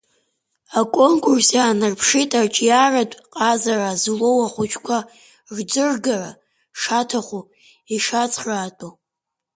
Аконкурс иаанарԥшит аҿиаратә ҟазара злоу ахәыҷқәа рӡыргара шаҭаху, ишацхраатәу.